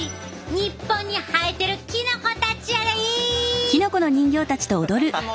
日本に生えてるキノコたちやで！